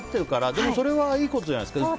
でもそれはいいことじゃないかな。